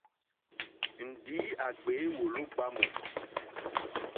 Ndǐ à ɡbě wòló ɡbámù.